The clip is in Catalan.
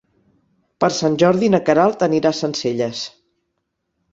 Per Sant Jordi na Queralt anirà a Sencelles.